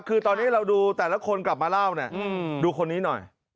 คือตอนนี้เราดูแต่ละคนกลับมาเล่าเนี่ยดูคนนี้หน่อย